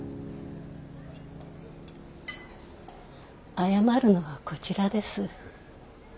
謝るのはこちらです。